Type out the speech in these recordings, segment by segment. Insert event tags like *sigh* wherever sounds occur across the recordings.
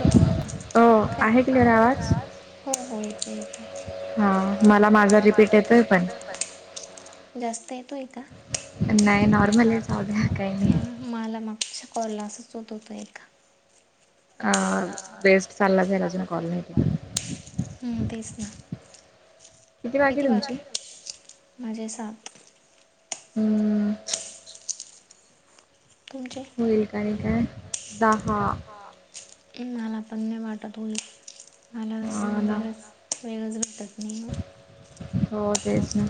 हो हो येत आहे येत आहे *inaudible* हा मला माझा रिपीट येतोय पण. जास्त येतोय का? नाही नॉर्मलच आवाज तुमचा. मला मागच्या कॉलला असंच होत होतं एका. अ बेस्ट चालला जाईल अजून कॉल नाही केला. हम् तेच ना, किती बाकी? माझे सात. हम्म. तुमचे? दहा. मला पण नाही वाटत होईल. मला असं मग वेळच वेगळच भेटत ह *unintelligible* हो *unintelligible* तेच ना,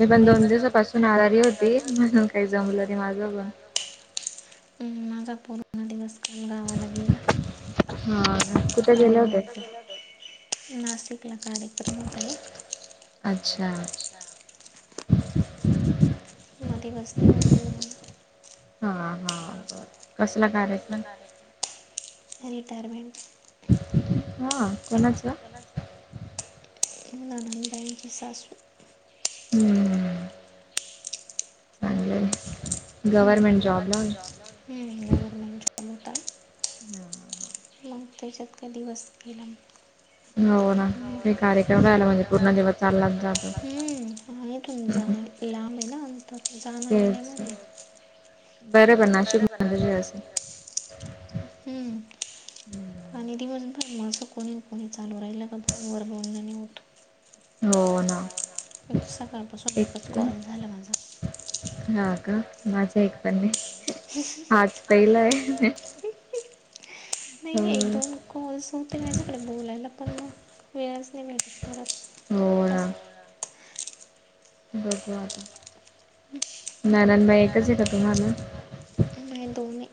मी पण दोन दिवसापसून आजारी होती. म्हणून काही जमलं नाही माझं पण. हम् माझापर *inaudible* दिवस पण गावाला गेला. आणि म नाशिकला कार्यक्रमात आहे. अच्छा! मध्ये बसणी बोल *unintelligible* हा, हा, बर. कसला कार्यक्रम? रिटयरमेंट. हा त्यांणाच *inaudible* ननंद बाईची सासू. हम्म चांगलय. गव्हर्मेंट जॉब ना? हम गवर्मेंट जॉब हो. ह ह *inaudible* मग त्याच्यात का दिवस गेला म. हो. हो ते कार्यक्रम झाल मणपूर्ण दिवसाला *unintelligible* आहे तुमचा, ते लांब आहे ना आंतर जा तेच, बरोबर नाशिक मध्ये बी असेल. हम्म. आणि दिवसभर माझं कोणी कोणी चालू राहिल ना फोनवर बोलन नाही होत. हो ना. एक सकाळपासून एकच कॉल झाला माझा. हा का? माझा एक पण नाही, आज पहिला आहे. नाही -नाही एक दोन कॉल्स होते माझ्याकडे बोलायला. पण मग वेळच नाही भेटत घरात. अस बघू आता, नंनदबाई एकच आहे का तुम्हाला? नाही दोन्.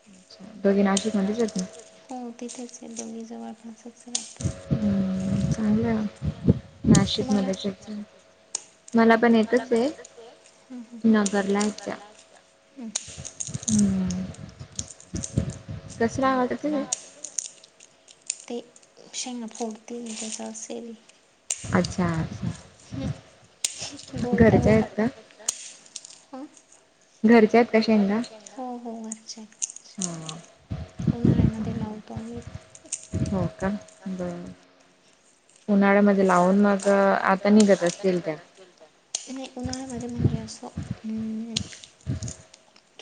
हम *inaudible* दो दि *unintelligible* हो तिथेच दोघी जवळप लागते. चांगलं नाशिक मध्येचच. मला पण येतच ते नबरलाच. हमं. ते शंगंग फोडते हो त्याच्याास येरी. अच्छा. हम् बोलता बोलत ह. घरच्यात हो हो वरच. उन्हाळ्यामध्ये लावतो आम्ही. हो का बर उन्हाळ्यामध्ये उन्हाळा्या म्हझे लावून माझं आता निघततीलल तर. उन्हाळ्यामध्ये म्हणजे असं्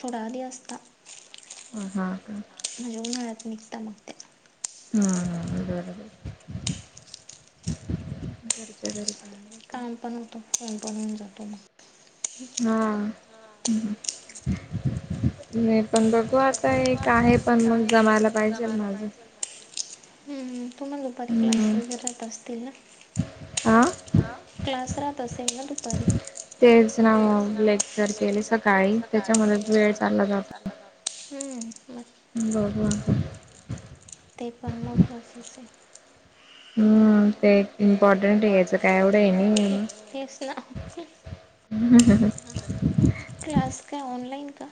थोडा आधी असता. ह हा का. माझ्या उंग्हाळात निघता मग ते. हा ह अढ जगर चांगलं का. प जातो मग. हा म पण बघू आता एक आहे. मग जमायला पाहिजे्म. त दुपारी क्लास अस ना क्लास अस. ते दुपारी तेच नाव लेक्चर केले सकाळी त्याच्यामध्ये वेळ चालला जातो. हम्म म ब ते पण महत्वचे हम्. ते इंपॉर्टंट केस काय. ह ह ह. खूप क्लास काय ऑनलाईन का?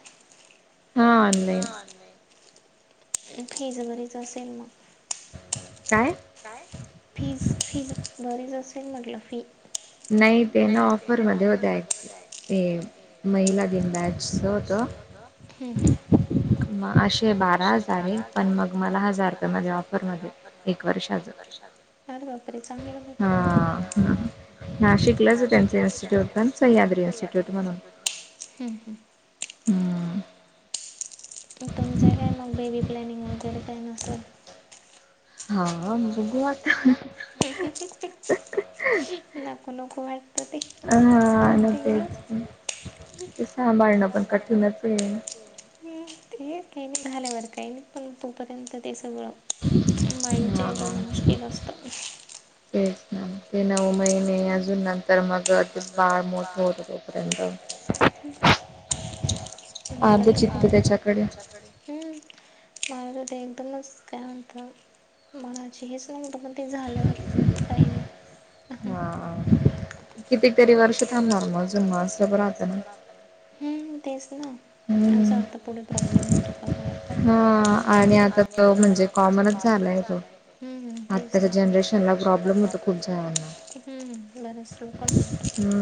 हा हच बरीच असेल मग. काय? फीज फीज बरीच असेल म्हटलं फी. नईटेन आऑफर मधवतयत महिला दिन बॅच द हम्म हम्म. अ तेे बारा हजार आहे पण मग मला हजार रुपयाेमध्ये ऑफरमध्ये एक वर्षाचं. यार बापर चांगला भटला. नाशिकलाच त्यांन्स इनस्टिट्यूट पण सह्याद्री इन्स्ट्यूट म्हणून हम्म हम्. हम. तुमच काय मग बेबी प्लॅनिंग वगैरे काय नसेल. हा भगवाता. ना को नकार. हा न तेच ते सांभाळणं पण कठीणच आहे. ते काही. नाही झाल्यावर काही नाही पण तोपर्यंत ते सगळं माई. करण मुश्कल असतं. तेच ना ते नऊ महिने अजून नंतर मग बाळ मोठं होई पर्यंत तुम्हाला तर हा चिपकतो त्याच्याकडे. हम् माझ ते एकदमच काय म्हणतात मनाची हेच नव्हतं पण ते झाल्यावर काही नाही. हा किती तरी वर्ष थांबणार मग अजून म अस पण होत ना. हम् तेच ना अस होत पुढे प्रॉब्लेम होतो का. आणि आता. हा आणि आत्ता म्हणजे कॉमनच झालाय. हम हम्म तेच ना. आताच्या जनरेशला प्रॉब्लेम होतो. बरेच लोकांना पण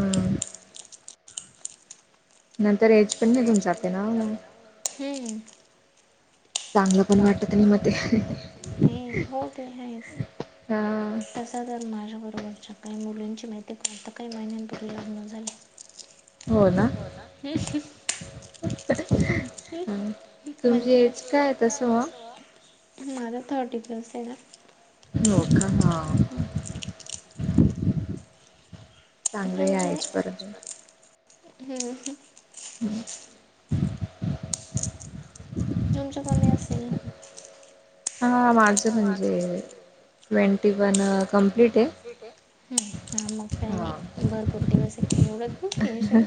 नंतर एज पण निघून जाते ना मग हम्म. चांगलं पण वाटत नाही मग ते, हो ते आहेच तसा जर माझ्याबरोबरच्या काही मुलींची माहिती का आत्ता काही महिन्यांपूर्वी लग्न झालेत हो ना. म्हणजे, तुमचं एज काय आहे माझं थर्टी प्लस आहे ना हो का. हा म्हणजे यायची परत. हम्म हम्म.. तुमचं कमी असेल आमचं म्हणजे ट्वेंटीवन कंप्लिट कम्प्लिट आहे. ह हा मग काही नाही भरपूर दिवस आहे एवढं काय टेन्शन.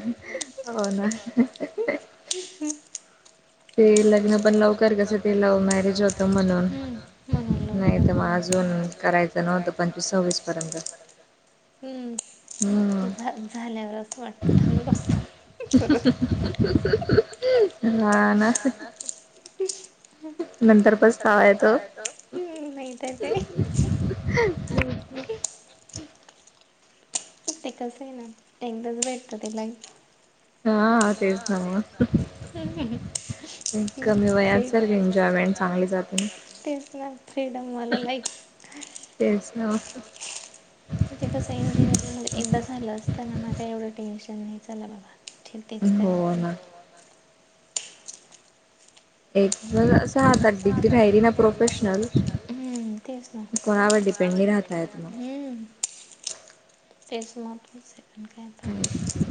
हो ना. ते लग्न पण लवकर कस केल लव्ह मॅरेज होत म्हणुन, म्हूणन लवकर. हम्म करायचं नव्हत पंचवीस - सव्विस पर्यंत हम ते झाल्यावर असं वाटत थांबलं असतो. खरच हा ना. नंतर पचतावा येतो हम्म नाही तर काय ते कसं आहे ना एकदाच भेटतं ते लाईफ हा तेच ना मग कमी वयात एन्जॉयमेंट चांगली वाटते, तेच ना फ्रीडमवाला लाईफ तेच नव्ह तिथे कसं इंजिनिअरिंगमध्ये एकदा झालं असता ना माझ एवढं टेन्शन नाही झाल बाबा. तेच करायचय तर तु राहिली ना प्रोफेशनल. तेच ना कोणावर डिपेंड नाही राहता येत तेच महत्वाचं आहे ना आणि काय आत्ता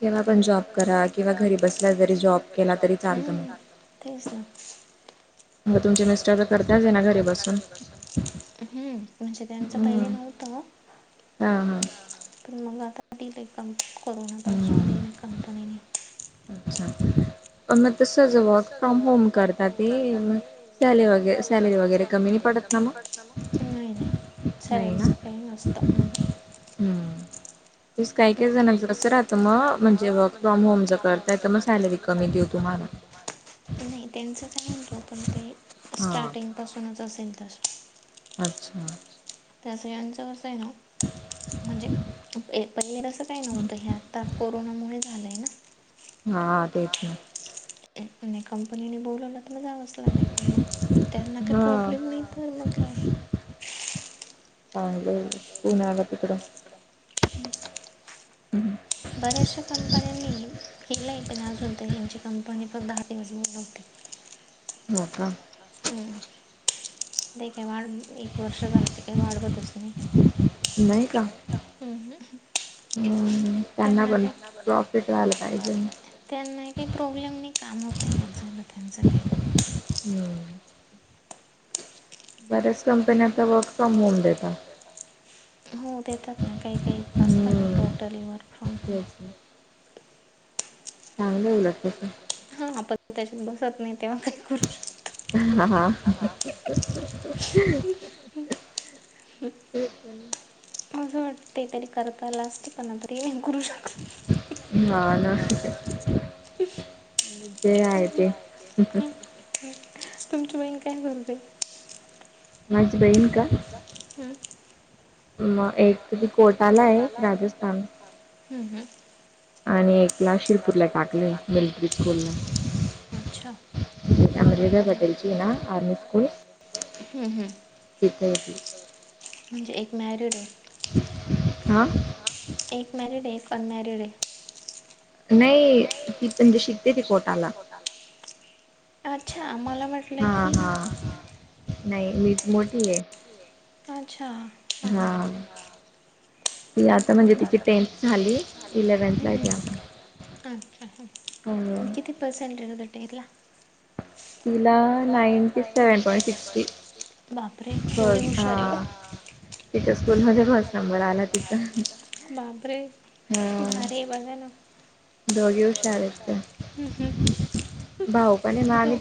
केव्हा पण जॉब करा किंवा घरी बसला जरी जॉब केला तरी चालत मग तेच ना. तुमचे मिस्टर करतात ना घरी बसून, हम्म म्हणजे त्यांच पहिले नव्हतं काय हां हां. पण मग आता दिले कं कोरोनापासून दिले कंपनीने. अच्छा. पण मग तसं जर वर्क फ्रॉम होम करता ते म सॅली वगैरे सॅलरी वगैरे कमी नाही पडत ना मग? नाही नाही, सॅलरीच काही नसत. अं हं. हम्म. तेच काही काही जणांचं कसं राहतं म म्हणजे वर्क फ्रॉम होम ज करताय त मग सॅलरी कमी देऊ तुम्हाला. नाही त्यांचाच आहे हो पण ते स्टार्टिंग पासूनच असेल तर. अच्छा. तस यांच म्हणजे *unintelligible* काही नव्हतं हे आता कोरोनामुळे झालय ना? हा तेच ना. कंपनीने बोलवल तर जावचं लागेल तर मग त्यांना प्रॉब्लेम नाही तर म काय चांगलं पुण्याला तिकडं बऱ्याचशा कंपन्यांनी केलंय पण अजून तरी यांची कंपनी पण दहा दिवस *unintelligible* नव्हती. हो का? हम्म, ते काय वाढ एक वर्ष झालं ते काय वाडवतच नाही. *unintelligible* त्यांना काय त्यांना काही प्रॉब्लेम नाही काम होतय बस झालं त्यांचं काही. हम्म. बरच हो देतात ना काही काही असत ना टोटली वर्क फ्रॉम होम चांगलं उलट तसं. हा आपण त्याच्यात बसत नाही तेव्हा काय करू हा हा. मग वाटते तरी करत लास्ट पना *unintelligible* करू हा ना. तुमची बहीण काय बोलते? माझी बहीण का हम्म. मग एक ती कोटाला हे राजस्थान हम् हम. आणि एक ला शिरपूरला टाकलय मिल्ट्री स्कूलला. बरय बर हम्म हम्. ठीक हाय ती. म्हणजे एक मॅरिड ये? हां? एक मॅरिडय, एक अनमॅरिडय? नाही ती म्हणजे शिकते ती कोटाला. अच्छा मला वाट हा हा, नही, मीच मोठीये. अच्छा, हा हा‌. ती आता, म्हणजे तिची टेन्थ झाली, इलेव्हन्थला य, ती आता. हं हं, म किती परसेंटेज होते, टेंथला? तिला नाईनटी सेवन, पॉईंट सिक्स्टी. होय, अ तिच्या स्कूल मध्ये, फर्स्ट नंबर आला तिचा. बापरे, भारी, बघा ना. हम्म हम्म ह्. म्हणजे तो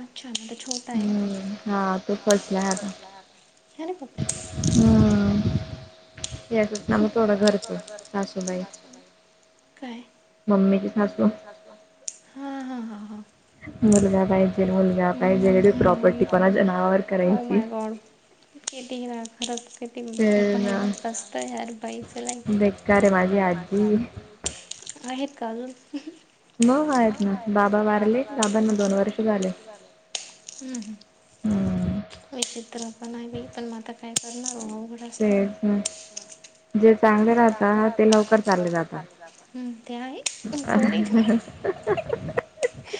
अच्छा म्हणे छो काय, झाले *unintelligible* आम तोडारत *unintelligible* का? काय? मम्मी *unintelligible* हा हा हा हा. मुलगा पाहिजे *unintelligible* property *unintelligible* Hum Hum, oh my God. किती *unintelligible* किती खरच कती भयानक अस्त यार, बाईच लाइफ. आहेत का आजून? म आहेत ना, बाबा वारले, बाबांना दोन वर्ष झाले. हम्म हम. विचित्र पणा ये बाई, पण आता काय करणार, हो घडा *unintelligible* जे चांगले राहतात ना, ते लवकर चाले जातात. हम्, ते आहे, तो नई का?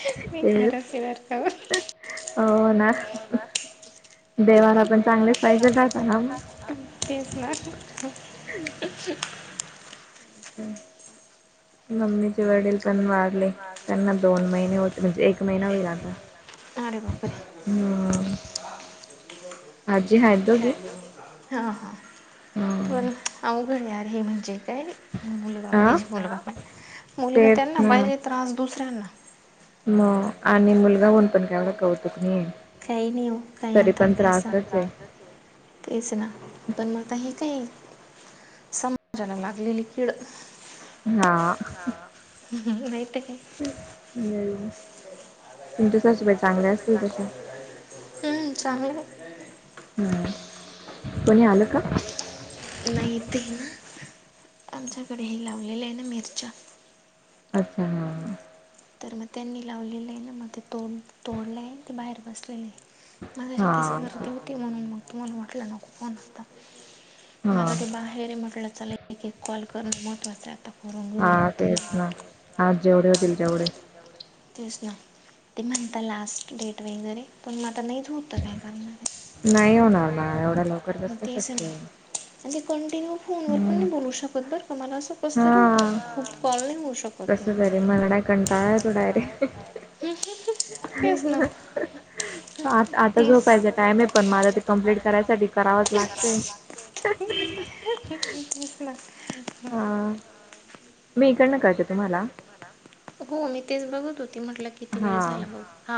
ते खरंच ये वाटतं. हो ना, देवाला पण चांगलेच पाहिजे राहत ना, मग. तेच ना मम्मी. तीचे वडील पण वारले, त्यांना दोन महिने होत, म्हणजे एक महिना होइल आता. अरे बापरे, आजी हाय *unintelligible* हां हां, पण अवघड यार हे, म्हणजे काय मुलगा पाहिजे, मुलगा पा, मुलगा त्यांना पाहिजे, त्रास दुसऱ्यांना मग आणि मु *unintelligible* काही नही ओ, काय आता तसं. तेच ना, पण मग आता हे काही, समाजाला लागलेली किड. हां. हां, माहिती का? *unintelligible* तुमच्या सासूबाई चांगल्या असतील तशा? हम्म, चांगल्याय. हम, कोणी आलं का? नही ते ना, आमच्याकडे हे लावलेले ये ना, मिरच्या. अच्छा हां. तर मग त्यांनी लावलेलं ये ना, म ते तोड- तोडल्या ये, ते बाहेर बसलेले ये. माहिरि तीच गर्दी होती, मंग तुम्हाला वाटलं नको, फोन आता. म ते बाहेर ये, म्हटलं चला एक- एक कॉल करण महत्त्वाचं, आता करून घेऊया, तरी. आज जेवढे होतील, तेवढे. तेच ना, ते म्हणता लास्ट डेट वगैरे, पण म आता नहीच होत काय करणार, *unintelligible* हो तेच ना. आणि ते कंटिन्यू फोनवर पण नाही बोलू शकत, बरं का मला असं कसं तरी होत. खूप कॉल नाही होऊ शकत *unintelligible* हा हा आता काय होतय डायरेक्ट *unintelligible* तेच आता जो काय नाही, पण मला ते कमप्लीट करायच करावच लागल. *unintelligible* हा, मी इकडनं करते तुम्हाला? हो मी तेच बघत होती म्हटलं, किती वेळ झाला बघु? हा.